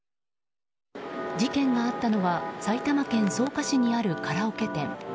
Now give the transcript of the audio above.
事件があったのは埼玉県草加市にあるカラオケ店。